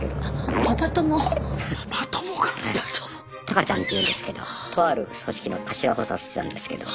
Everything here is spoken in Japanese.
タカちゃんっていうんですけどとある組織の頭補佐してたんですけど。